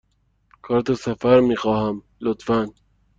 کارت سفر می خواهم، لطفاً.